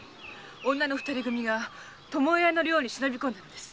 女の二人組が巴屋の寮に忍び込んだのです。